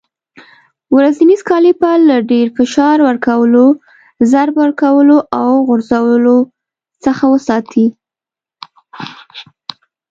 ورنیز کالیپر له ډېر فشار ورکولو، ضرب ورکولو او غورځولو څخه وساتئ.